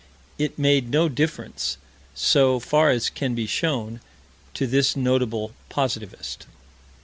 It made no difference, so far as can be known, to this notable positivist.